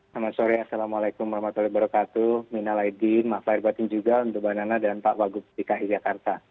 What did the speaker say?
selamat sore assalamualaikum warahmatullahi wabarakatuh mina laidin mohon maaf lahir batin juga untuk anak anak dan pak wakil gubernur dki jakarta